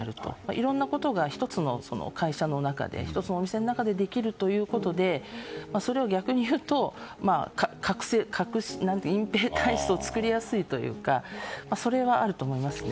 いろんなことが１つの会社の中で１つのお店の中でできるということでそれを逆に言うと隠ぺい体質を作りやすいというかそれはあると思いますね。